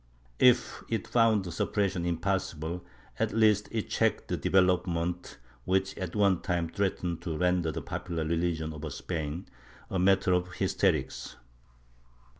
If it found suppression impossible, at least it checked the development which at one time threatened to render the popular religion of Spain a matter of hysterics.